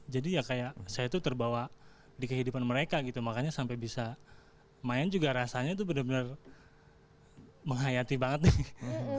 jadi ya kayak saya tuh terbawa di kehidupan mereka gitu makanya sampai bisa main juga rasanya tuh bener bener menghayati banget nih